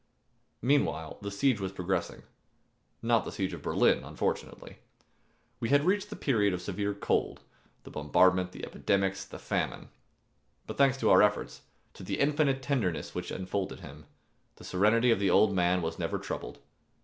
Meanwhile, the siege was progressing not the siege of Berlin, unfortunately! We had reached the period of severe cold, the bombardment, the epidemics, the famine. But thanks to our efforts, to the infinite tenderness which enfolded him, the serenity of the old old man was never troubled.